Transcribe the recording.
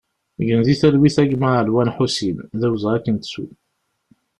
Gen di talwit a gma Alwan Ḥusin, d awezɣi ad k-nettu!